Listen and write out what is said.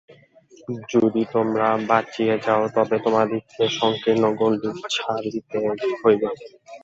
যদি তোমরা বাঁচিতে চাও, তবে তোমাদিগকে সঙ্কীর্ণ গণ্ডি ছাড়িতে হইবে।